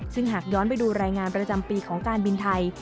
ซึ่งหากย้อนไปดูรายงานประจำปีของการบินไทย